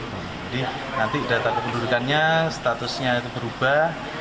jadi nanti data kependudukannya statusnya itu berubah